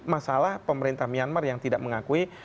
masalah pemerintah myanmar yang tidak mengakui